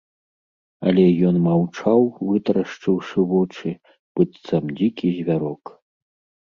Але ён маўчаў, вытарашчыўшы вочы, быццам дзікі звярок.